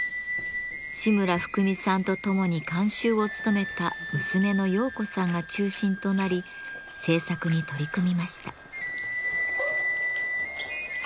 志村ふくみさんとともに監修を務めた娘の洋子さんが中心となり制作に取り組みました。